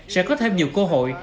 sẽ có thêm nhiều cơ hội